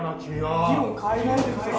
・議論変えないで下さいよ。